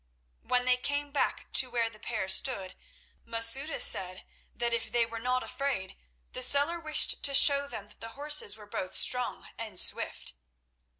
When they came back to where the pair stood, Masouda said that if they were not afraid the seller wished to show them that the horses were both strong and swift.